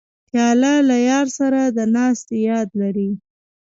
پیاله له یار سره د ناستې یاد لري.